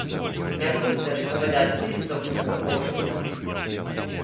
Мяркуецца, што гэта адбудзецца ў другой палове года.